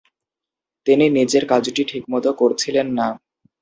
তিনি নিজের কাজটি ঠিকমতো করছিলেন না।